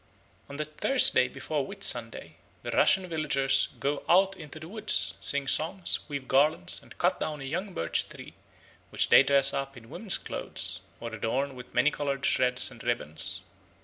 On the Thursday before Whitsunday the Russian villagers "go out into the woods, sing songs, weave garlands, and cut down a young birch tree, which they dress up in woman's clothes, or adorn with many coloured shreds and ribbons.